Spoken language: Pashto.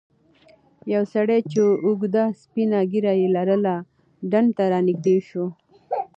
یو سړی چې اوږده سپینه ږیره یې لرله ډنډ ته رانږدې شو.